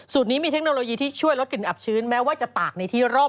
นี้มีเทคโนโลยีที่ช่วยลดกลิ่นอับชื้นแม้ว่าจะตากในที่ร่ม